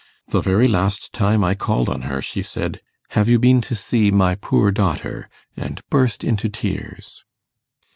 The very last time I called on her she said, "Have you been to see my poor daughter?" and burst into tears.